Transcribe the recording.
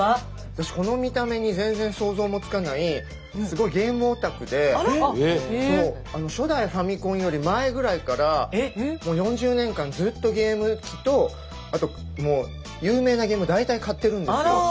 私この見た目に全然想像もつかない初代ファミコンより前ぐらいからもう４０年間ずっとゲーム機とあと有名なゲームを大体買ってるんですよ。